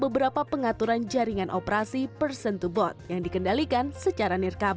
beberapa perangkat internet dual perangkat jaringan operasi digunakan seperti tctos